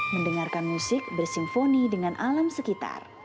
mendengarkan musik bersinfoni dengan alam sekitar